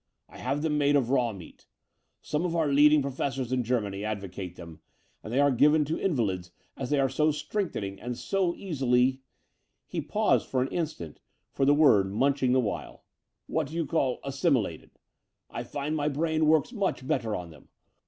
"I have them made of raw meat. Some of our leading professors in Germany advo cate them ; and they are given to invalids as they are so strengthening and so easily" — ^he paused for an instant for the word, munching the while —'* what you call assimilated. I find my brain works much better on them.